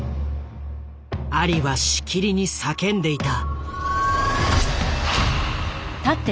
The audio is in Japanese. アリはしきりに叫んでいた。